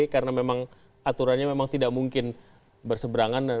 karena memang aturannya memang tidak mungkin berseberangan